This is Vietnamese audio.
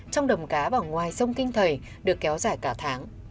trong đầm cá và ngoài sông kinh thầy được kéo dài cả tháng